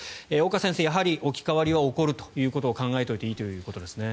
岡先生、やはり置き換わりは起こるということを考えておいていいということですね？